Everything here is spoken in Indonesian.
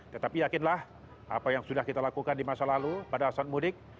tetapi yakinlah apa yang sudah kita lakukan di masa lalu pada saat mudik